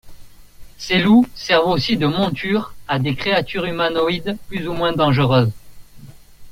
Ces loups servent aussi de monture à des créatures humanoïdes plus ou moins dangereuses.